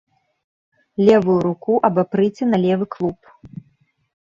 Левую руку абапрыце на левы клуб.